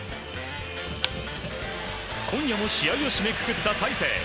今夜の試合を締めくくった大勢。